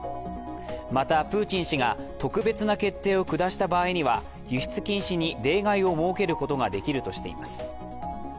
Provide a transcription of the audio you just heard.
また、プーチン氏が特別な決定を下した場合には輸出禁止に例外を設けることができるとしています。